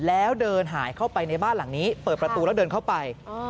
แล้วเดินหายเข้าไปในบ้านหลังนี้เปิดประตูแล้วเดินเข้าไป